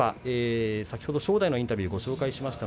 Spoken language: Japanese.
正代のインタビューをご紹介しました。